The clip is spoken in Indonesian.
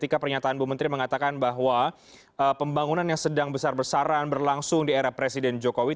dan bumetri mengatakan bahwa pembangunan yang sedang besar besaran berlangsung di era presiden jokowi